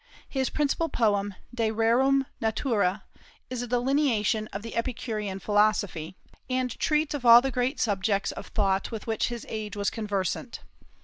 His principal poem "De Rerum Natura" is a delineation of the Epicurean philosophy, and treats of all the great subjects of thought with which his age was conversant.